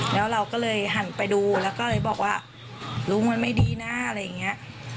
แล้วเราก็เลยหันไปดูแล้วก็เลยบอกว่าลุงมันไม่ดีนะอะไรอย่างนี้